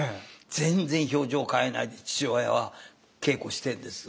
全然表情を変えないで父親は稽古してんです。